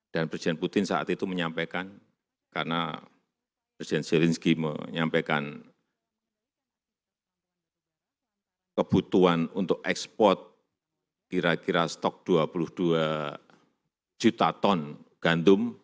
dan presiden putin saat itu menyampaikan karena presiden zelensky menyampaikan kebutuhan untuk ekspor kira kira stok dua puluh dua juta ton gandum